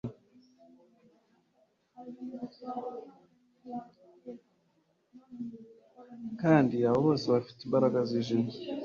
Kandi abo bose bafite imbaraga zijimye